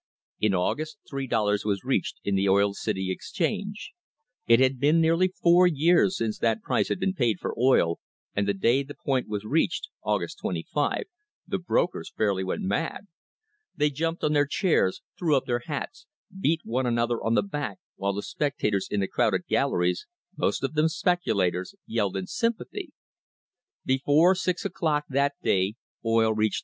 In August three dollars was reached in the Oil City exchange. It had been nearly four years since that price had been paid for oil, and the day the point was reached (August 25) the brokers fairly went mad. They jumped on their chairs, threw up their hats, beat one an other on the back, while the spectators in the crowded gal leries, most of them speculators, yelled in sympathy. Before six o'clock that day oil reached $3.